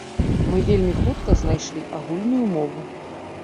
Мы вельмі хутка знайшлі агульную мову.